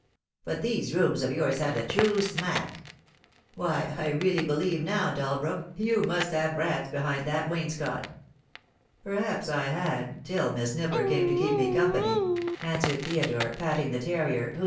But these rooms of yours have the true smack. Why, I really believe now, Dalbrook, you must have rats behind that wainscot?" "Perhaps I had, till Miss Nipper came to keep me company," answered Theodore, patting the terrier, whose 46 THE DAY WILL COME.